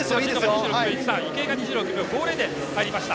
池江が２６秒５０で入りました。